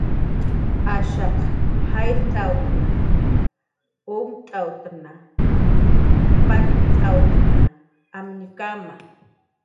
Ashaq jayrt'awtanwa, umt'awtanwa, palt'awtanwa amñkama